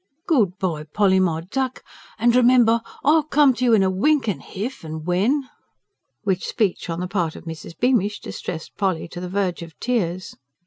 "Good bye, Polly, my duck, and remember I'll come to you in a winkin', h'if and when ..." which speech on the part of Mrs. Beamish distressed Polly to the verge of tears.